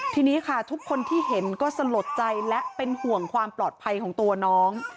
ทีนี้ค่ะทุกคนที่เห็นก็สลดใจและเป็นห่วงความปลอดภัยของตัวน้อง